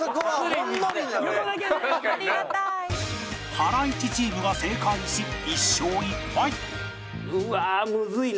ハライチチームが正解し１勝１敗うわーむずいな。